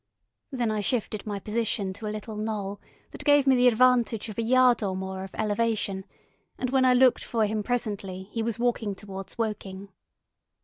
Then I shifted my position to a little knoll that gave me the advantage of a yard or more of elevation and when I looked for him presently he was walking towards Woking.